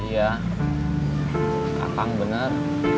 iya kakak bener